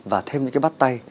và thêm những cái bắt tay